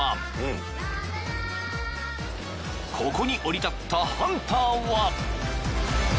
［ここに降り立ったハンターは］